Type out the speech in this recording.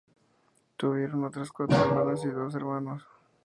Tuvieron otras cuatro hermanas y dos hermanos.